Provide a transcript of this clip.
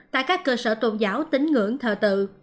tại các cơ sở tôn giáo tính ngưỡng thờ tự